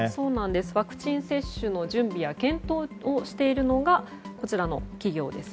ワクチン接種の準備や検討をしているのがこちらの企業です。